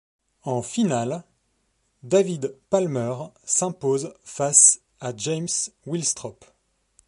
En finale, David Palmer s'impose face à James Willstrop.